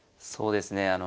そうですね。